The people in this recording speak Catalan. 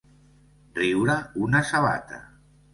Riure una sabata.